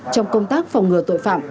trong công tác phòng ngừa tội phạm